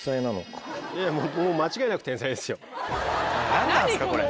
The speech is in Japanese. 何なんすかこれ。